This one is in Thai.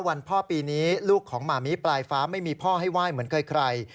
พ่อปีนี้ลูกของหมามีปลายฟ้าไม่มีพ่อให้ไหว้เหมือนใคร